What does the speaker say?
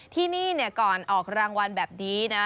ที่นี่ก่อนออกรางวัลแบบนี้นะ